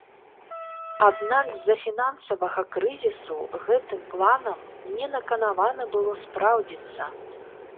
Аднак з-за фінансавага крызісу гэтым планам не наканавана было спраўдзіцца.